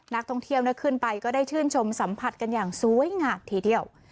นักท่องเที่ยวขึ้นไปก็ได้ชื่นชมสัมผัสกันอย่างสวยงามทีเดียว